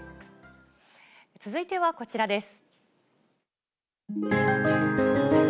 続いてはこちらです。